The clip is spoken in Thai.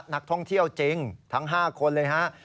นักท่องเที่ยวจริงทั้ง๕คนเลยฮะ